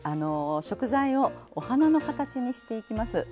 食材をお花の形にしていきます。